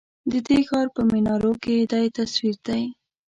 ددې ښار په منارو کی دی تصوير دی